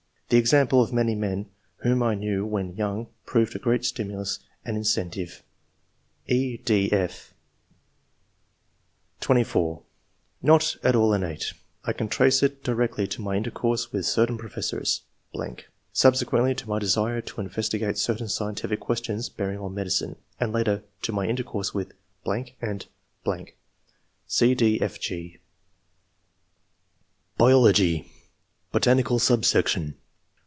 The example of many men whom I knew when young proved a great stimulus and incen tive." (e, dyf) (24) '' Not at all innate. I can trace it dis tinctly to my intercourse with certain professors ....; subsequently to my desire to investigate 176 ENGLISH MEN OF SCIENCE. [chap. certain scientific questions bearing on medicine, and later to my intercourse with .... and •..." (c, d,f, g) BIOLOGY. Botanical Subsection.